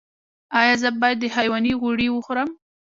ایا زه باید د حیواني غوړي وخورم؟